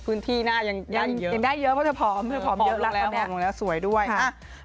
พื้นที่หน้ายังได้อีเยอะเพราะเธอผอมรักกันแหละสวยด้วยอ่ะ